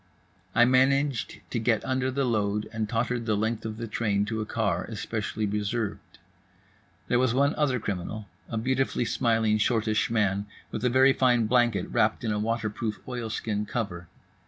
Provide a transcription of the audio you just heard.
I managed to get under the load and tottered the length of the train to a car especially reserved. There was one other criminal, a beautifully smiling, shortish man, with a very fine blanket wrapped in a water proof oilskin cover.